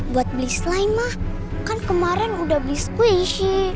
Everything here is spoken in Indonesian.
buat beli slime ma kan kemarin udah beli squishy